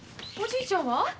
おじいちゃんは？